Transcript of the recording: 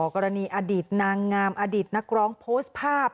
อดีตนางงามอดีตนักร้องโพสต์ภาพ